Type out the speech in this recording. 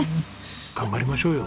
頑張りましょうよ。